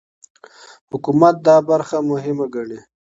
حکومت دا برخه مهمه ګڼي.